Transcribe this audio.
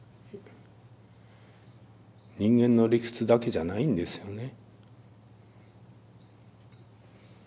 人間の理屈だけじゃないんですよね。